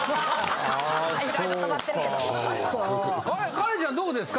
カレンちゃんどうですか。